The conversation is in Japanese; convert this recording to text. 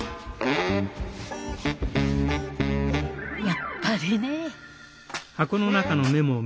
やっぱりねえ。